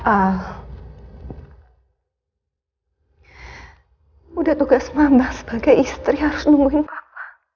al udah tugas mama sebagai istri harus nungguin papa